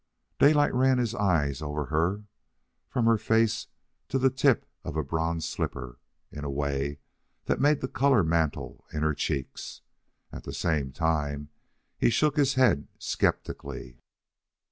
Daylight ran his eyes over her, from her face to the tip of a bronze slipper, in a way that made the color mantle in her cheeks. At the same time he shook his head sceptically.